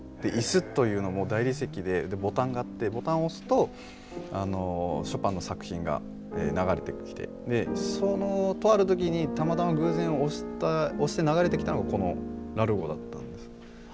いすというのも大理石でボタンがあってボタンを押すとショパンの作品が流れてきて、とあるときにたまたま偶然押して流れてきたのがこのラルゴだったんです。